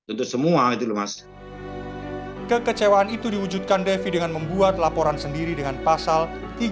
untuk semua itu mas kekecewaan itu diwujudkan devi dengan membuat laporan sendiri dengan pasal